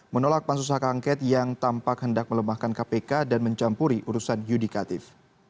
menolak pansus hak angket yang tampak hendak melemahkan kpk dan mencampuri urusan yudikatif